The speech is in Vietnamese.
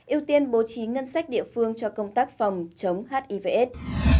ưu tiên bố trí ngân sách địa phương cho công tác phòng chống hiv aids